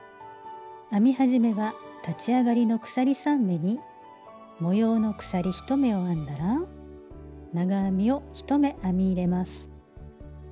編み始めは立ち上がりの鎖３目に模様の鎖１目を編んだら長編みを１目編み入れます。